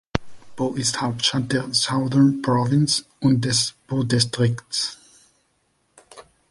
Bo ist Hauptstadt der Southern Province und des Bo-Distrikts.